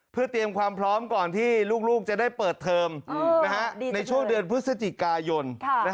เพื่อเตรียมความพร้อมก่อนที่ลูกจะได้เปิดเทอมในช่วงเดือนพฤศจิกายน